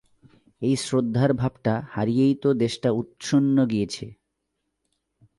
এই শ্রদ্ধার ভাবটা হারিয়েই তো দেশটা উৎসন্ন গিয়েছে।